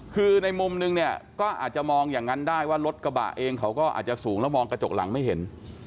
คือในมุมนึงเนี่ยก็อาจจะมองอย่างนั้นได้ว่ารถกระบะเองเขาก็อาจจะสูงแล้วมองกระจกหลังไม่เห็น